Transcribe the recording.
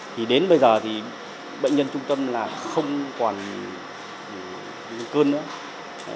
thì đến bây giờ thì bệnh nhân trung tâm là không còn cơn nữa